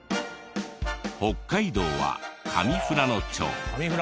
北海道は上富良野町。